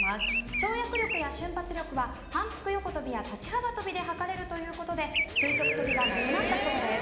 跳躍力や瞬発力は反復横跳びや立ち幅跳びで測れるという事で垂直跳びがなくなったそうです。